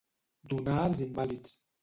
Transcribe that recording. Donar els invàlids.